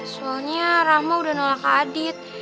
soalnya rama udah nolak ke adit